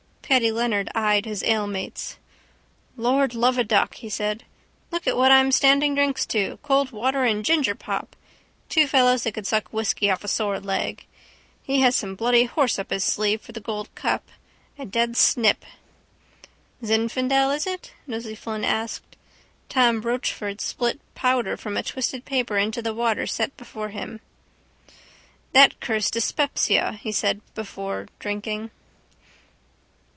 Paddy Leonard eyed his alemates. —Lord love a duck, he said. Look at what I'm standing drinks to! Cold water and gingerpop! Two fellows that would suck whisky off a sore leg. He has some bloody horse up his sleeve for the Gold cup. A dead snip. —Zinfandel is it? Nosey Flynn asked. Tom Rochford spilt powder from a twisted paper into the water set before him. —That cursed dyspepsia, he said before drinking.